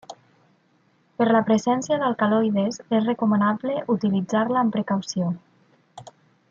Per la presència d'alcaloides és recomanable utilitzar-la amb precaució.